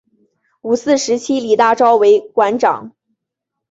五四时期李大钊为馆长。